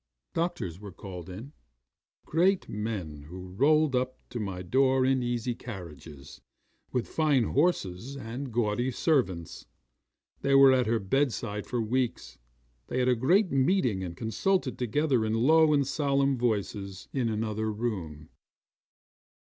'Doctors were called in great men who rolled up to my door in easy carriages, with fine horses and gaudy servants. They were at her bedside for weeks. They had a great meeting and consulted together in low and solemn voices in another room.